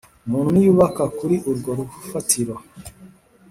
umuntu niyubaka kuri urwo rufatiro,